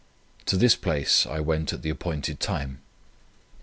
To this place I went at the appointed time.